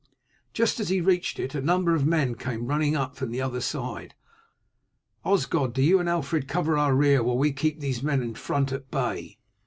Just as he reached it a number of men came running up from the other side. "Osgod, do you and Alfred cover our rear while we keep these men in front at bay."